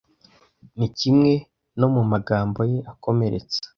ni kimwe no mu magambo ye akomeretsa